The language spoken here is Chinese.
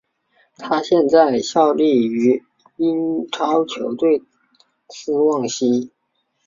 他现在效力于英超球队斯旺西。